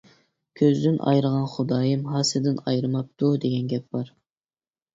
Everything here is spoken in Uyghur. كۆزدىن ئايرىغان خۇدايىم ھاسىدىن ئايرىماپتۇ، دېگەن گەپ بار.